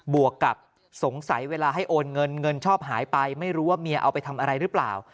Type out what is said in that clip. วกกับสงสัยเวลาให้โอนเงินเงินชอบหายไปไม่รู้ว่าเมียเอาไปทำอะไรหรือเปล่า